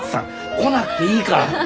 来なくていいから！